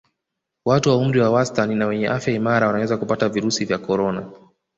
Watu wa umri wa wastani na wenye afya imara wanaweza kupata virusi vya Corona